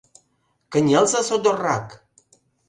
— Кынелза содоррак!..